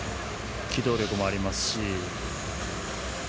機動力もありますし